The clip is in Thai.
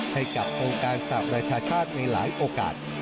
ให้กับองค์การสหประชาชาติในหลายโอกาส